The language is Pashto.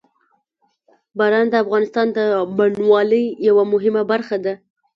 باران د افغانستان د بڼوالۍ یوه مهمه برخه ده.